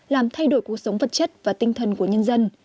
làm thay đổi cuộc sống vật chất và tinh thần của nhân dân